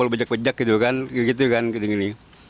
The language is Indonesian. dibejak bejak gitu kan gitu kan